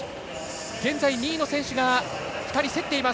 現在２位の選手が２人競っています。